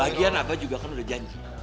lagian abah juga kan udah janji